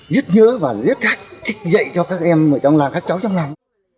rất nhớ và rất thích dạy cho các em ở trong làn các cháu trong làn